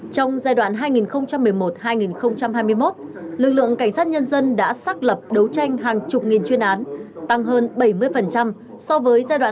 trong giai đoạn hai nghìn một mươi một hai nghìn hai mươi một lực lượng cảnh sát nhân dân đã xác lập đấu tranh hàng chục nghìn chuyên án tăng hơn bảy mươi so với giai đoạn hai nghìn hai mươi một